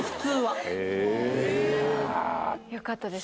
森川）よかったです